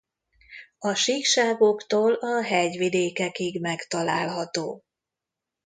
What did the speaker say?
A síkságoktól a hegyvidékekig megtalálható.